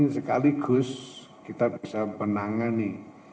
sekaligus kita bisa menangani